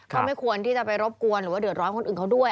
ก็ไม่ควรที่จะไปรบกวนหรือว่าเดือดร้อนคนอื่นเขาด้วย